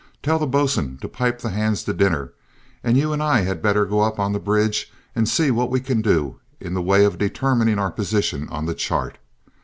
"Tell the bo'sun to pipe the hands to dinner, and you and I had better go up on the bridge and see what we can do in the way of determining our position on the chart.